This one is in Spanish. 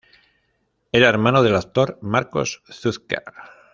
Era hermano del actor Marcos Zucker.